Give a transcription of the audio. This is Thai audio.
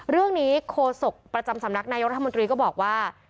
โคศกประจำสำนักนายกรัฐมนตรีก็บอกว่า